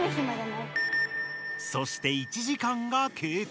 そして１時間がけいか。